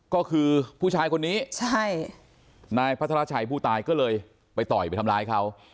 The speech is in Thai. ก็คือผู้ชายคนนี้ใช่นายพัทรชัยผู้ตายก็เลยไปต่อยไปทำร้ายเขา